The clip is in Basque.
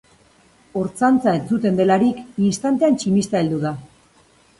Ortzantza entzuten delarik istantean tximista heldu da.